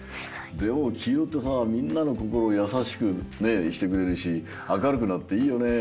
でもきいろってさみんなのこころをやさしくしてくれるしあかるくなっていいよねえ。